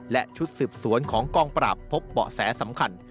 และชุดสืบสวนของกองปราบพบเบาะแสสำคัญ